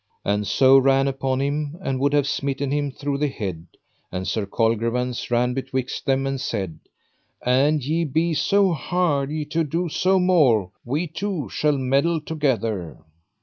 And so ran upon him, and would have smitten him through the head, and Sir Colgrevance ran betwixt them, and said: An ye be so hardy to do so more, we two shall meddle together.